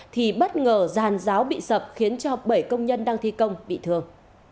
thì bất ngờ giàn giáo bị sập khiến cho bảy công nhân đang thi công bị thương